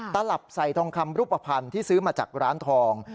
ตลับใส่ทองคำรูปภัณฑ์ที่ซื้อมาจากร้านทอง